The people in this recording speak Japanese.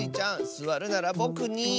すわるならぼくに。